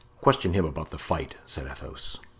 "Question him about the fight," said Athos.